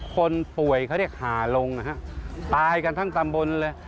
คนป่วยเขาเรียกหาลงนะฮะตายกันทั้งตำบลเลย